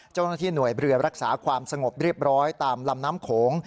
เจ้าหน้าที่หน่วยเรือรักษาความสงบเรียบร้อยตามลำน้ำโขง